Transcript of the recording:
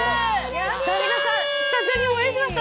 皆さん、スタジオにご用意しました。